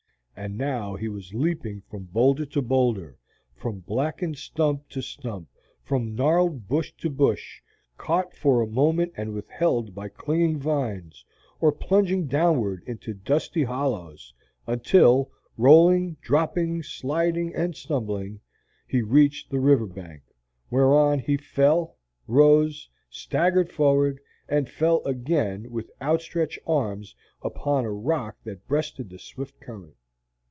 And now he was leaping from boulder to boulder, from blackened stump to stump, from gnarled bush to bush, caught for a moment and withheld by clinging vines, or plunging downward into dusty hollows, until, rolling, dropping, sliding, and stumbling, he reached the river bank, whereon he fell, rose, staggered forward, and fell again with outstretched arms upon a rock that breasted the swift current.